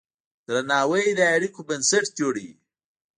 درناوی د اړیکو بنسټ جوړوي.